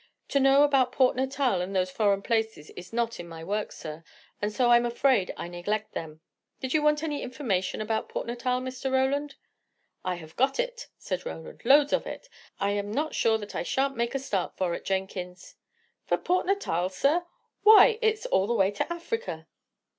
To know about Port Natal and those foreign places is not in my work, sir, and so I'm afraid I neglect them. Did you want any information about Port Natal, Mr. Roland?" "I have got it," said Roland; "loads of it. I am not sure that I shan't make a start for it, Jenkins." "For Port Natal, sir? Why! it's all the way to Africa!"